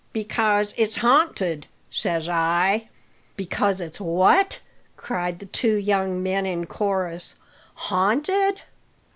Because it's ha'nted, says I." "Because it's what?" cried the two young men in chorus. "Haunted?"